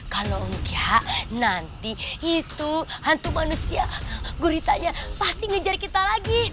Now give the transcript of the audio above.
kalau enggak nanti itu hantu manusia guritanya pasti ngejar kita lagi